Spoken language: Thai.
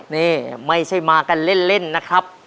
นี่ไม่ใช่มากันเล่นนะครับ